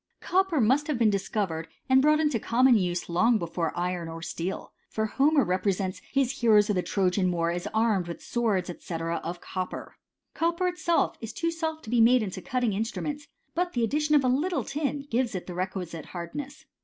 Copper must have been discovered and brought into common use long before iron or steel ; for Homer re presents his heroes of the Trojan war as armed with swords, &c. of copper. Copper itself is too soft to be made into cutting instruments ; but the addition of a little tin gives it the requisite hardness.